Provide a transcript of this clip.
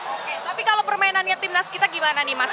oke tapi kalau permainannya timnas kita gimana nih mas